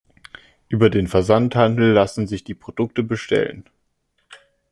Über den Versandhandel lassen sich die Produkte bestellen.